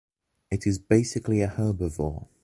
It is basically a herbivore.